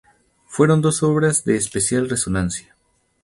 Fueron dos obras de especial resonancia.